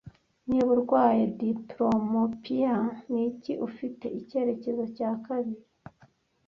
Niba urwaye diplomopiya niki ufite icyerekezo cya kabiri